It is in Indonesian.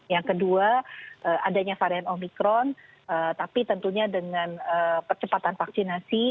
yang kedua adanya varian omikron tapi tentunya dengan percepatan vaksinasi